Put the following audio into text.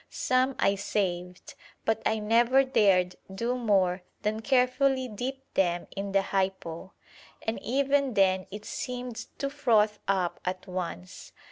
Some I saved, but I never dared do more than carefully dip them in the 'hypo,' and even then it seemed to froth up at once.